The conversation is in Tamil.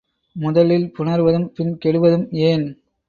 முதலில் புணர்வதும் பின் கெடுவதும் ஏன்?